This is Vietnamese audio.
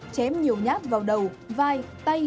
chém nhiều nhát vào đầu vai tay